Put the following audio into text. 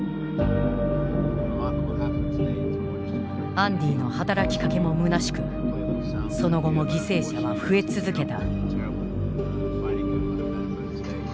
アンディの働きかけもむなしくその後も犠牲者は増え続けた。